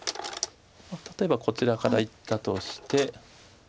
例えばこちらからいったとして。